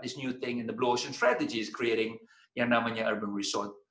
dan strategi the blue ocean strategy menciptakan yang namanya urban resort